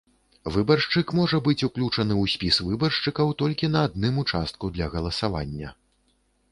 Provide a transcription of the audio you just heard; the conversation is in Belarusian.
Выбаршчык можа быць уключаны ў спіс выбаршчыкаў толькі на адным участку для галасавання.